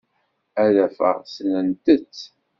Ad tafeḍ ssnent-tt.